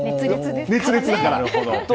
熱烈だから。